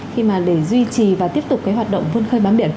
khi mà để duy trì và tiếp tục cái hoạt động vươn khơi bám biển